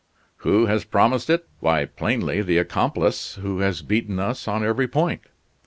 "Who has promised it? Why, plainly the accomplice who has beaten us on every point."